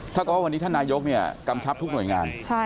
ถ้าเกิดว่าวันนี้ท่านนายกกำชับทุกหน่วยงาน